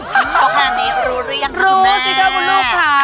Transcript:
ตอนนี้รู้หรือยังครับคุณแม่รู้สิครับคุณลูกค่ะ